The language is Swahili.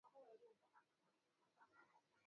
kwa kwenye minyororo ile ya ubeberu